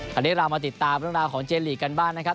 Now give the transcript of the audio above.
ตอนนี้มาติดตามลุชเรียนของเจนลีกกันบ้านนะครับ